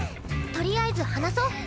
とりあえず話そ？